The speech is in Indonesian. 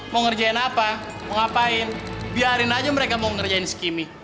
mau ngerjain apa mau ngapain biarin aja mereka mau ngerjain skimmi